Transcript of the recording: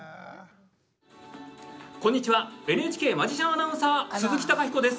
こんにちはＮＨＫマジシャン・アナウンサー鈴木貴彦です。